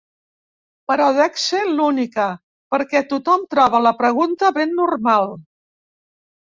Però dec ser l'única, perquè tothom troba la pregunta ben normal.